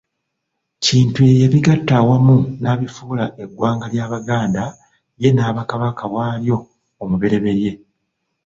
Kintu ye yabigatta awamu n'abifuula eggwanga ly'Abaganda ye n'aba Kabaka waalyo omubereberye.